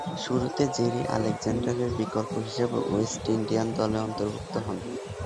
শুরুতে জেরি আলেকজান্ডারের বিকল্প হিসেবে ওয়েস্ট ইন্ডিয়ান দলে অন্তর্ভুক্ত হন।